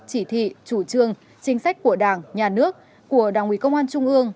chỉ thị chủ trương chính sách của đảng nhà nước của đảng ủy công an trung ương